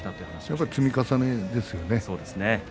やっぱり積み重ねですよね。